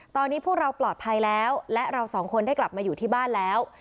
ตอนนี้พวกเราปลอดภัยแล้วและเราสองคนได้กลับมาอยู่ที่บ้านแล้ว